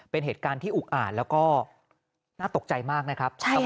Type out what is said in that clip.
เป็นเหตุการณ์ที่อุกอ่านแล้วก็น่าตกใจมากนะครับ